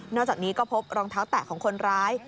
จากนี้ก็พบรองเท้าแตะของคนร้าย